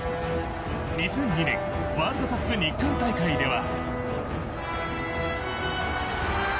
２００２年ワールドカップ日韓大会では。